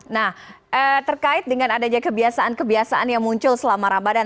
nah terkait dengan adanya kebiasaan kebiasaan yang muncul selama ramadan